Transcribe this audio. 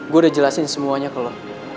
gue udah jelasin semuanya ke lo